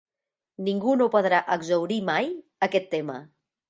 Ningú no podrà exhaurir mai aquest tema.